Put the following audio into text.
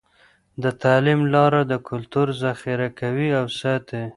د تعلیم لاره د کلتور ذخیره کوي او ساتي.